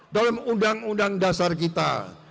dalam undang undang dasar kita